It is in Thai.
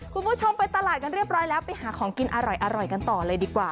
คุณผู้ชมไปตลาดกันเรียบร้อยแล้วไปหาของกินอร่อยกันต่อเลยดีกว่า